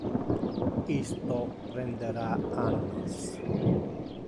Isto prendera annos.